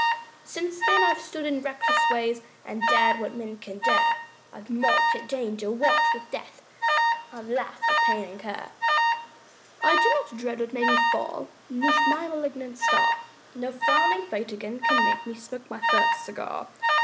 Since then I've stood in reckless ways, I've dared what men can dare, I've mocked at danger, walked with death, I've laughed at pain and care. I do not dread what may befall 'Neath my malignant star, No frowning fate again can make Me smoke my first cigar.